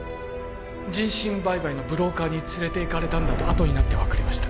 人身売買のブローカーに連れていかれたんだとあとになって分かりました